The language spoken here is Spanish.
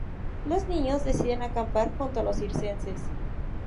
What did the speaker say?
Los niños deciden acampar junto a los circenses.